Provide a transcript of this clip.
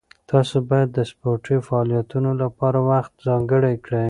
تاسو باید د سپورټي فعالیتونو لپاره وخت ځانګړی کړئ.